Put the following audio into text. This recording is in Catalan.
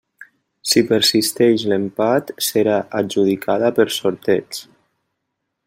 Si persisteix l'empat, serà adjudicada per sorteig.